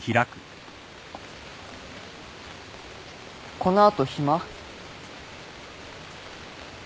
この後暇？